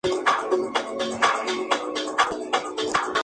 Columnista en medios de izquierda, Nega ha colaborado en "La Marea" o "Público".